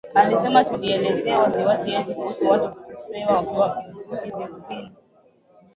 Alisema tulielezea wasiwasi yetu kuhusu watu kuteswa wakiwa kizuizini